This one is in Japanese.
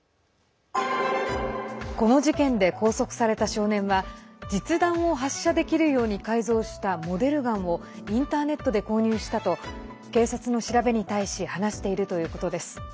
この事件で拘束された少年は実弾を発射できるように改造したモデルガンをインターネットで購入したと警察の調べに対し話しているということです。